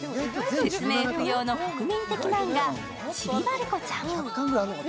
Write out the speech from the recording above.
説明不要の国民的マンガ「ちびまる子ちゃん」。